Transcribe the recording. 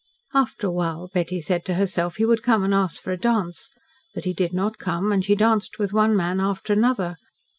After a while, Betty said to herself, he would come and ask for a dance. But he did not come, and she danced with one man after another.